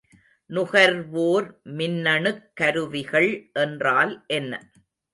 நுகர்வோர் மின்னணுக் கருவிகள் என்றால் என்ன?